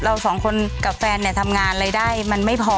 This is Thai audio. เราสองคนกับแฟนเนี่ยทำงานรายได้มันไม่พอ